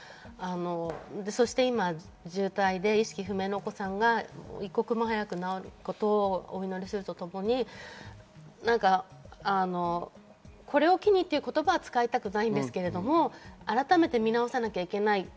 今、重体で意識不明のお子さんが一刻も早く治ることをお祈りするとともにこれを機にという言葉は使いたくないですけれど、改めて見直さなければいけない。